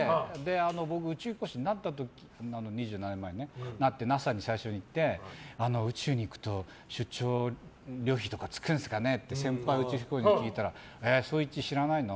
僕、宇宙飛行士になった時２７年前ＮＡＳＡに最初に行って宇宙に行くと出張旅費とかつくんですかねって先輩宇宙飛行士に聞いたら聡一、知らないの？